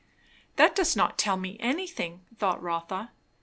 That does not tell me anything, thought Rotha.